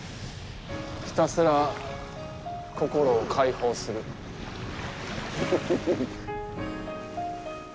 ひたすら心を解放するハハハ。